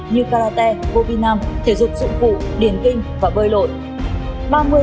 như karate golvinam thể dục dụng cụ điền kinh và bơi lội